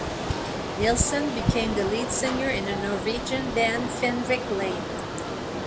Nilsen became the lead singer in the Norwegian band "Fenrik Lane".